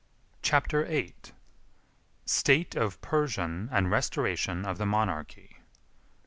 Chapter VIII: State Of Persia And Restoration Of The Monarchy.